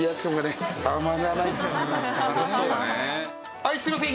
はいすいません。